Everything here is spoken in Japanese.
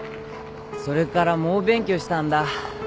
それから猛勉強したんだ。